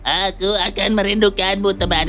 aku akan merindukanmu teman